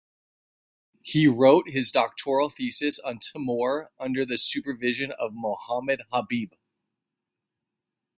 He wrote his doctoral thesis on Timur under the supervision of Mohammad Habib.